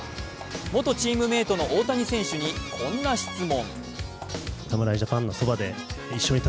元チームメートの大谷選手にこんな質問。